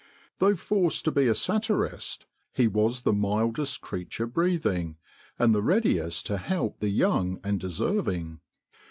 Though forced to be a satirist, he was the mildest creature breathing, and the readiest to help the young and deserving.